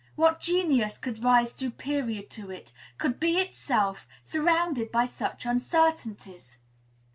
What genius could rise superior to it, could be itself, surrounded by such uncertainties?